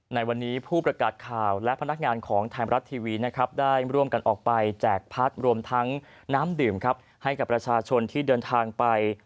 ในวันนี้ผู้ประกาศข่าวและพนักงานของไทยรัฐทีวีนะครับได้ร่วมกันออกไปแจกพัดรวมทั้งน้ำดื่มครับให้กับประชาชนที่เดินทางไป